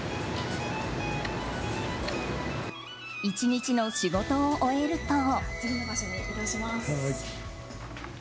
１日の仕事を終えると。